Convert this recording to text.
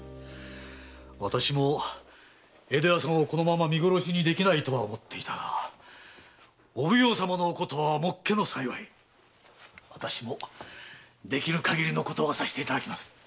私も江戸屋さんをこのまま見殺しにできないと思っていたがお奉行様のお言葉はもっけの幸いできる限りのことはいたします。